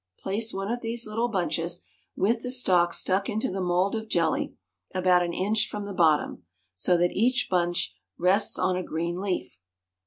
Place one of these little bunches, with the stalk stuck into the mould of jelly, about an inch from the bottom, so that each bunch rests on a green leaf.